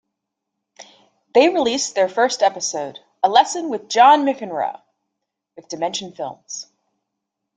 They released their first episode, "A Lesson with John McEnroe", with Dimension Films.